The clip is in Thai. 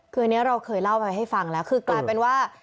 คืออันนี้เราเคยเล่าไปให้ฟังแล้วคือกลายเป็นว่า